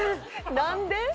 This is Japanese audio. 何で？